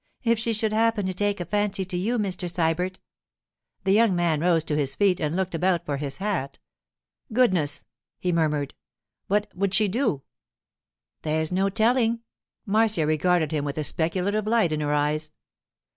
'If she should happen to take a fancy to you, Mr. Sybert——' The young man rose to his feet and looked about for his hat. 'Goodness!' he murmured, 'what would she do?' 'There's no telling.' Marcia regarded him with a speculative light in her eyes.